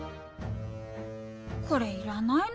これいらないのに。